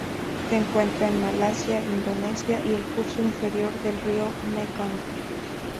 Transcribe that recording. Se encuentra en Malasia, Indonesia y el curso inferior del río Mekong.